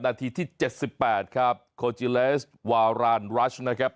นาทีที่เจ็ดสิบแปดครับโคจิเลสวารานรัชนะครับ